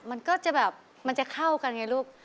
มันก็จะแบบมันจะเข้ากันไงลูก